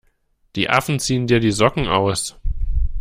Die Affen ziehen dir die Socken aus!